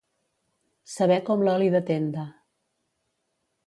Saber com l'oli de tenda.